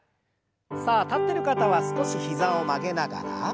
さあ立ってる方は少し膝を曲げながら。